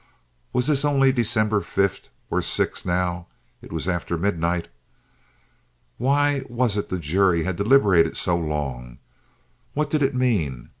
Was this only December 5th or 6th now (it was after midnight)? Why was it the jury had deliberated so long? What did it mean?